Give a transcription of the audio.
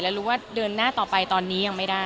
แล้วรู้ว่าเดินหน้าต่อไปตอนนี้ยังไม่ได้